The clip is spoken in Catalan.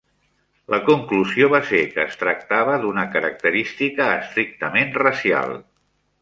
La conclusió va ser que es tractava d'una característica estrictament racial.